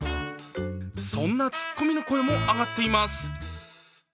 ＳＮＳではそんなツッコミの声も上がっています。